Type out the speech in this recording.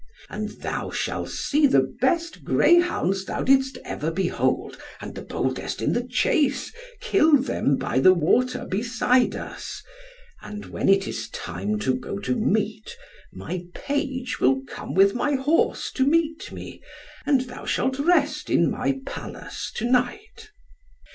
And thou shall see the best greyhounds thou didst ever behold, and the boldest in the chase, kill them by the water beside us; and when it is time to go to meat, my page will come with my horse to meet me, and thou shalt rest in my palace to night."